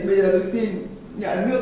mình xin được